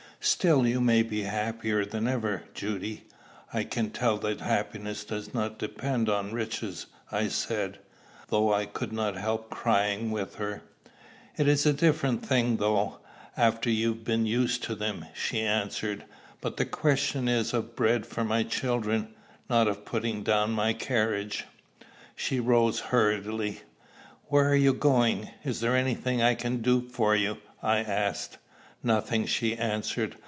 "Still you may be happier than ever, Judy. I can tell you that happiness does not depend on riches," I said, though I could not help crying with her. "It's a different thing though, after you've been used to them," she answered. "But the question is of bread for my children, not of putting down my carriage." She rose hurriedly. "Where are you going? Is there any thing I can do for you?" I asked. "Nothing," she answered.